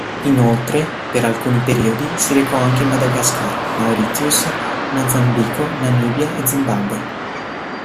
Inoltre, per alcuni periodi, si recò anche in Madagascar, Mauritius, Mozambico, Namibia e Zimbabwe.